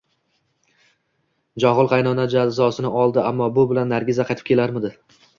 Johil qaynona jazosini oldi, ammo bu bilan Nargiza qaytib kelarmidi